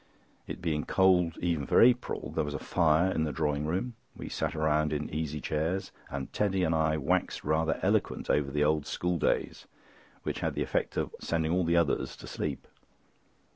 It being cold even for April, there was a fire in the drawing room; we sat round in easy chairs, and Teddy and I waxed rather eloquent over the old school days, which had the effect of sending all the others to sleep.